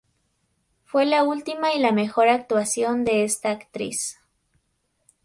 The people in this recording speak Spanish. Fue la última y la mejor actuación de esta actriz.